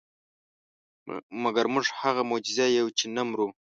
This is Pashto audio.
مګر موږ هغه معجزې یو چې نه مرو.